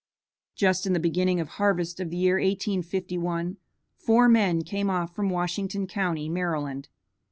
Just in the beginning of harvest of the year 1851, four men came off from Washington county, Maryland.